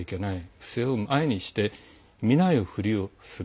不正を前にして見ないふりをする。